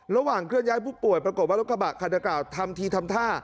เคลื่อนย้ายผู้ป่วยปรากฏว่ารถกระบะคันดังกล่าวทำทีทำท่า